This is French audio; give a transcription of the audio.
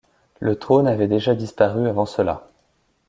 Le trône avait déjà disparu avant cela.